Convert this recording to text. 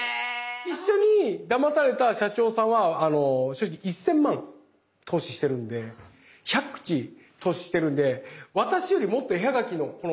一緒にだまされた社長さんは１，０００万投資してるんで１００口投資してるんで私よりもっと絵はがきの大きさがデカいんですよね